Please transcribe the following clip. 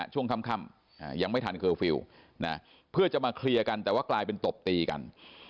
ช่วงค่ำยังไม่ทันเคอร์ฟิลล์เพื่อจะมาเคลียร์กันแต่ว่ากลายเป็นตบตีกัน